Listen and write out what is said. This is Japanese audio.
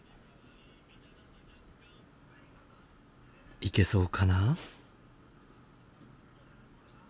行けそうかな？